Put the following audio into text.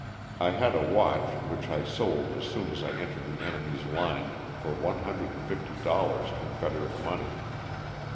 I had a watch which I sold as soon as I entered the enemy's line for one hundred and fifty dollars confederate money.